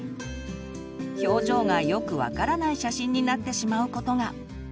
表情がよく分からない写真になってしまうことが。